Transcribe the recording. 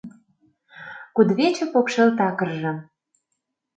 Кудывече покшел такыржым